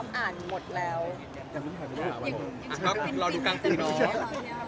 มันสนุกมากจริง